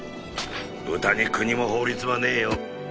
豚に国も法律もねえよ。